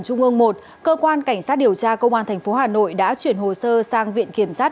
trung ương một cơ quan cảnh sát điều tra công an tp hà nội đã chuyển hồ sơ sang viện kiểm sát